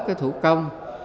cái thủ công